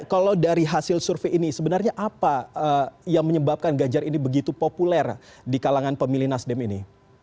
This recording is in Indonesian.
kalau dari hasil survei ini sebenarnya apa yang menyebabkan ganjar ini begitu populer di kalangan pemilih nasdem ini